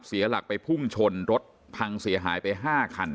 เสียหลักไปพุ่งชนรถพังเสียหายไป๕คัน